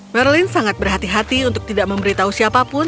merlin sangat berhati hati untuk tidak memberitahu siapa pun